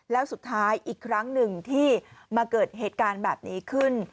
แล้วสุดท้ายอีกครั้งหนึ่งที่มาเกิดเหตุการณ์แบบนี้ขึ้น